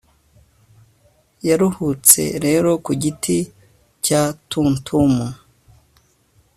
Yaruhutse rero ku giti cya Tumtum